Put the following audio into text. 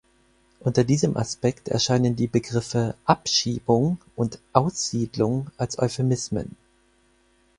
Unter diesem Aspekt erscheinen die Begriffe „Abschiebung“ und „Aussiedlung“ als Euphemismen.